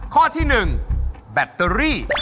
ข้อที่๑แบตเตอรี่